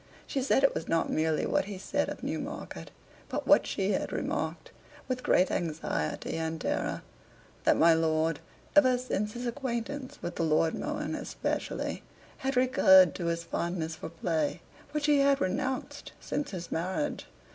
She said it was not merely what he said of Newmarket, but what she had remarked, with great anxiety and terror, that my lord, ever since his acquaintance with the Lord Mohun especially, had recurred to his fondness for play, which he had renounced since his marriage.